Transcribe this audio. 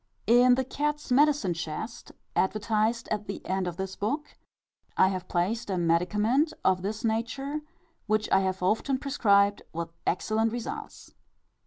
In the "Cat's Medicine Chest," advertised at the end of this book, I have placed a medicament of this nature, which I have often prescribed with excellent results.